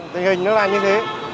thì hình nó là như thế